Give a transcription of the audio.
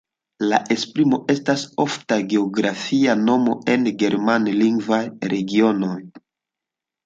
La esprimo estas ofta geografia nomo en germanlingvaj regionoj.